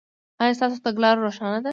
ایا ستاسو تګلاره روښانه ده؟